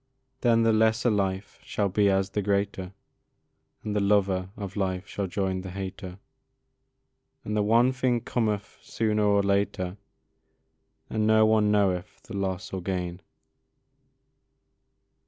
Then the lesser life shall be as the greater, And the lover of life shall join the hater, And the one thing cometh sooner or later, And no one knoweth the loss or gain.